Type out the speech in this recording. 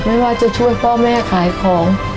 ไม่ว่าจะช่วยพ่อแม่ขายของ